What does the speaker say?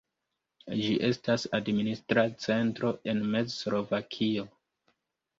Ĝi estas administra centro en Mez-Slovakio.